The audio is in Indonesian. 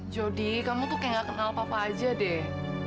jodi kamu tuh kayak gak kenal papa aja deh